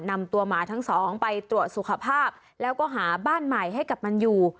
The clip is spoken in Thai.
หมาทั้งสองไปตรวจสุขภาพแล้วก็หาบ้านใหม่ให้กับมันอยู่